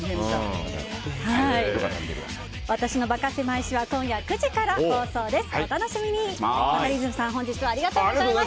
「私のバカせまい史」は今夜９時から放送です。